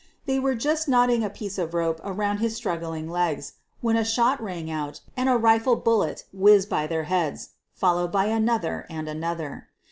They were just knotting a piece of rope around his struggling legs when a shot rang out and a rifle bullet whizzed by their heads — followed by another and another.